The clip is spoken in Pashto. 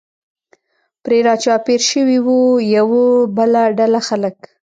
پرې را چاپېر شوي و، یوه بله ډله خلک.